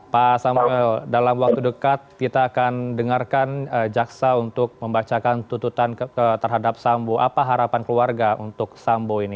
pak samuel dalam waktu dekat kita akan dengarkan jaksa untuk membacakan tututan terhadap sambo apa harapan keluarga untuk sambo ini